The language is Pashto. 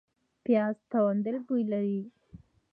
پیاز توند بوی لري